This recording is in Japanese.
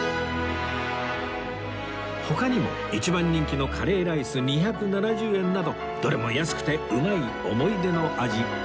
他にも一番人気のカレーライス２７０円などどれも安くてうまい思い出の味